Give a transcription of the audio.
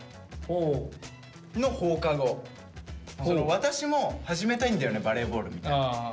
「私も始めたいんだよねバレーボール」みたいな。